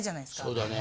そうだね。